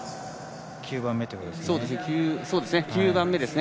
９番目ということですね。